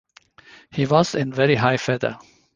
He was in very high feather.